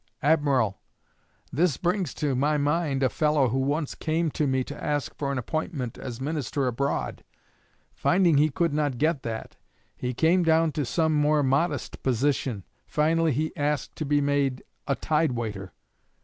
'Admiral, this brings to my mind a fellow who once came to me to ask for an appointment as minister abroad. Finding he could not get that, he came down to some more modest position. Finally he asked to be made a tide waiter.